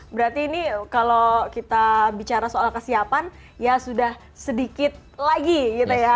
berarti ini kalau kita bicara soal kesiapan ya sudah sedikit lagi gitu ya